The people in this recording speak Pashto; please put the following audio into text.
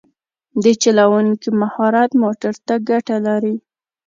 د چلوونکي مهارت موټر ته ګټه لري.